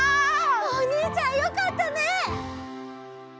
おにいちゃんよかったね！